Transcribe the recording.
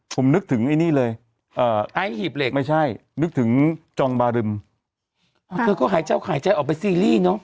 ผมนึกถึงไอ้นี่เลยไอซ์หีบเหล็กไม่ใช่นึกถึงจองบารึมเธอก็หายเจ้าหายใจออกไปซีรีส์เนอะ